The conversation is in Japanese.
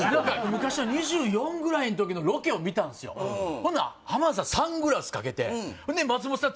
昔の２４ぐらいの時のロケを見たんすよほな浜田さんサングラスかけて松本さん